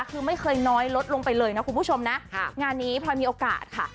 คือไม่เคยน้อยลดลงไปเลยนะคุณผู้ชมนะงานนี้พลอยมีโอกาสค่ะ